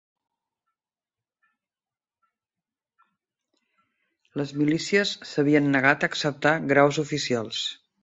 Les milícies s'havien negat a acceptar graus oficials